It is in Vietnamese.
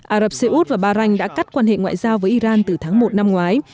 ả rập xê út và bahrain đã cắt quan hệ ngoại giao với iran từ tháng một năm ngoái